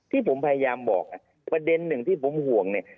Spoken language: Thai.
ที่ผมพยายามบอกประเด็นหนึ่งที่ผมห่วงเนี่ย